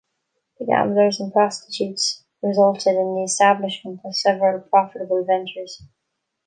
The gamblers and prostitutes resulted in the establishment of several profitable ventures.